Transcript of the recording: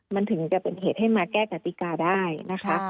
มันถึงจะเป็นเหตุให้มาแก้กติกาได้นะคะ